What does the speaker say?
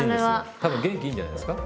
多分元気いいんじゃないですか？